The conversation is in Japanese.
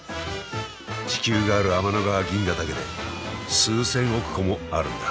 地球がある天の川銀河だけで数千億個もあるんだ。